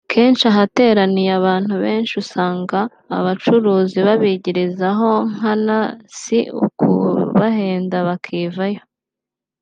Kenshi ahateraniye abantu benshi usanga abacuruzi babigirizaho nkana si ukubahenda bakivayo